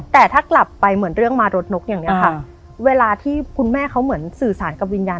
แต่ถ้ากลับไปเรื่องมารถนกอย่างนี้ค่ะเวลาที่คุณแม่หนึ่งสื่อสารกับวิญญาณได้